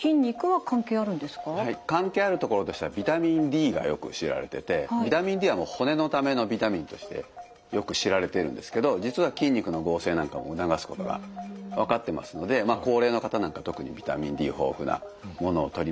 関係あるところとしたらビタミンＤがよく知られててビタミンＤは骨のためのビタミンとしてよく知られてるんですけど実は筋肉の合成なんかも促すことが分かってますので高齢の方なんか特にビタミンＤ豊富なものをとりましょうと。